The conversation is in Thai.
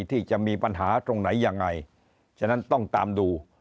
ที่จะมีปัญหาตรงไหนยังไงฉะนั้นต้องตามดู